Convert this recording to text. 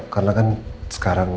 karena kan sekarang